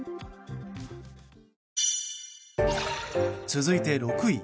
続いて６位。